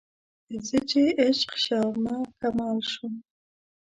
زه چې عشق شومه کمال شوم